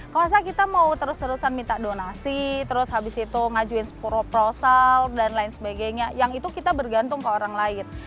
kalau misalnya kita mau terus terusan minta donasi terus habis itu ngajuin proposal dan lain sebagainya yang itu kita bergantung ke orang lain